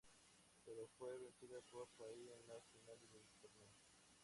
Pero fue vencida por Sai en las finales del Torneo.